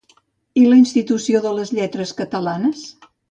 I la Institució de les Lletres Catalanes?